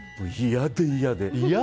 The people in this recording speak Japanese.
嫌で嫌で。